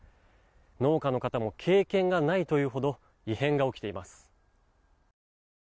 農家の方も経験がないというほど異変が起きています。